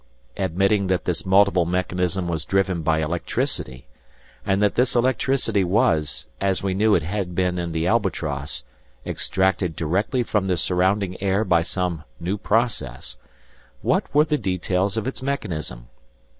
Admitting that this multiple mechanism was driven by electricity, and that this electricity was, as we knew it had been in the "Albatross," extracted directly from the surrounding air by some new process, what were the details of its mechanism?